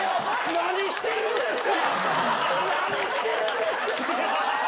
何してるんですか